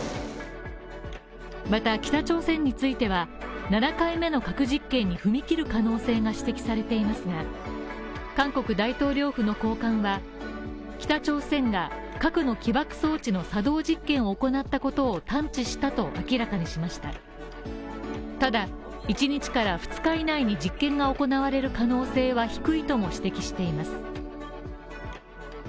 また北朝鮮については、７回目の核実験に踏み切る可能性が指摘されていますが、韓国大統領府の高官は、北朝鮮が核の起爆装置の作動実験を行ったことを探知したと明らかにしましたただ、１日から２日以内に実験が行われる可能性は低いとも指摘しています。